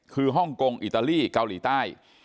คือฮ่องกงอิตาลีเกาหลีใต้